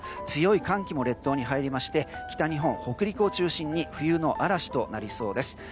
強い寒気も列島に入りまして北日本、北陸を中心に冬の嵐となりそうです。